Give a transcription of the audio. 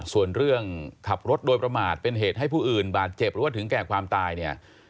ส่วนเรื่องขับรถโดยประมาทเป็นเหตุให้ผู้อื่นบาดเจ็บหรือว่าถึงแก่ความตายเนี่ย